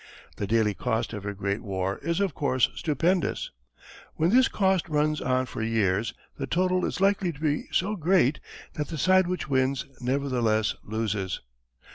The daily cost of a great war is of course stupendous. When this cost runs on for years the total is likely to be so great that the side which wins nevertheless loses.